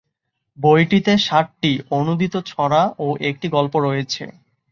বইটিতে সাতটি অনূদিত ছড়া ও একটি গল্প রয়েছে।